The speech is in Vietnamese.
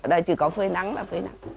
ở đây chỉ có phơi nắng là phơi nắng